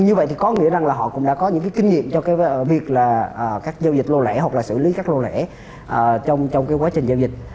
như vậy thì có nghĩa rằng là họ cũng đã có những cái kinh nghiệm cho cái việc là các giao dịch lô lẻ hoặc là xử lý các lô lẻ trong cái quá trình giao dịch